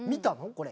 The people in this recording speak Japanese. これ。